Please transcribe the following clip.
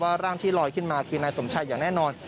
ร่างที่ลอยขึ้นมาคือนายสมชัยอย่างแน่นอน